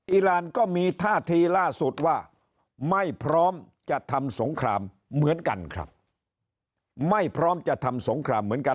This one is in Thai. อรานก็มีท่าทีล่าสุดว่าไม่พร้อมจะทำสงครามเหมือนกันครับไม่พร้อมจะทำสงครามเหมือนกัน